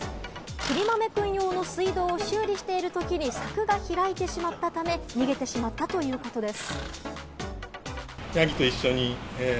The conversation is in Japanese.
くりまめくん用の水道を修理しているときに柵が開いてしまったため、逃げてしまったということです。